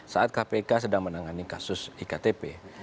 saat kpk sedang menangani kasus iktp